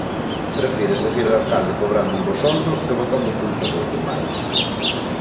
Prefire seguir de alcalde cobrando un bo soldo e botando culpas aos demais.